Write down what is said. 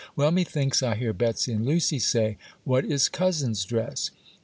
Well, methinks I hear Betsy and Lucy say, 'What is cousin's dress?